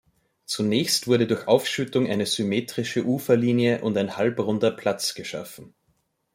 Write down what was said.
Zunächst wurde durch Aufschüttung eine symmetrische Uferlinie und ein halbrunder Platz geschaffen.